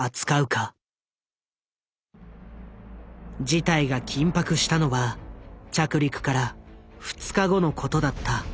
事態が緊迫したのは着陸から２日後のことだった。